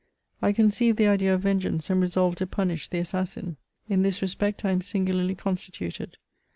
I conceived the idea of vengeance, and resolved to punish the assassin. In this respect, I am singularly constituted.